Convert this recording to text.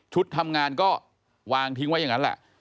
ทำงานก็วางทิ้งไว้อย่างนั้นแหละ